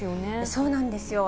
そうなんですよ。